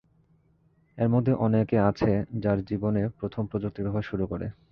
এদের মধ্যে অনেকে আছে, যারা জীবনে প্রথম প্রযুক্তির ব্যবহার শুরু করে।